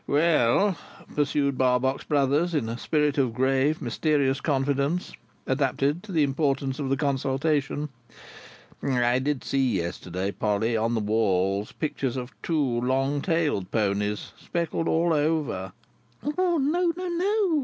"Well," pursued Barbox Brothers, in a spirit of grave mysterious confidence adapted to the importance of the consultation, "I did see yesterday, Polly, on the walls, pictures of two long tailed ponies, speckled all over—" "No, no, NO!"